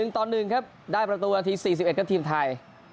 ๑ต่อ๑ครับได้ประตูอาทิตย์๔๑กับทีมไทย